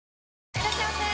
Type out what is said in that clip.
いらっしゃいませ！